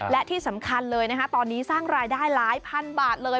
และที่สำคัญเลยนะคะตอนนี้สร้างรายได้หลายพันบาทเลย